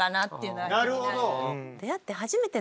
なるほど。